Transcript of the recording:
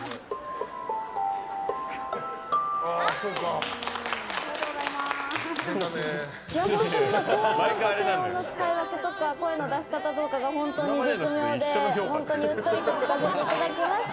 高音と低音の使い分けとか声の出し方とか本当に絶妙で本当にうっとりと聴かせていただきました。